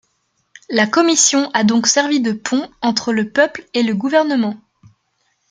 La Commission a donc servi de pont entre le peuple et le gouvernement.